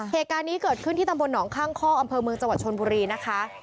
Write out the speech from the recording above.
เหตุการณ์นี้เกิดขึ้นที่ตำบลหนองข้างคอกอำเภอเมืองจังหวัดชนบุรีนะคะ